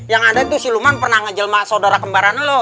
yang ada itu siluman pernah ngejelma saudara kembaran lo